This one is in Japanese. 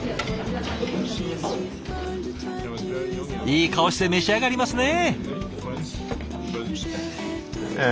いい顔して召し上がりますね！